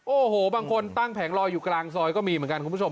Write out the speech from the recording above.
โอ้โหบางคนตั้งแผงลอยอยู่กลางซอยก็มีเหมือนกันคุณผู้ชม